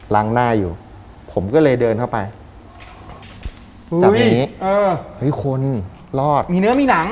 หน้าอยู่ผมก็เลยเดินเข้าไปจับอย่างงี้เออเฮ้ยคนรอดมีเนื้อมีหนัง